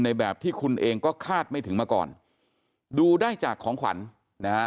แบบที่คุณเองก็คาดไม่ถึงมาก่อนดูได้จากของขวัญนะฮะ